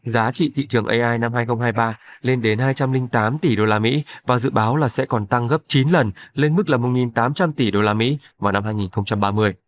giá trị thị trường ai năm hai nghìn hai mươi ba lên đến hai trăm linh tám tỷ usd và dự báo là sẽ còn tăng gấp chín lần lên mức là một tám trăm linh tỷ usd vào năm hai nghìn ba mươi